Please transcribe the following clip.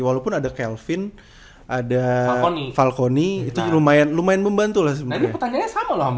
walaupun ada kelvin ada falconi itu lumayan lumayan membantu lah sebenarnya nah ini pertanyaannya sama loh